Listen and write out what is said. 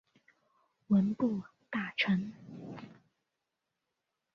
文部大臣。